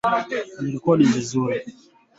Hatua za kufuata kupika viazi vya karanga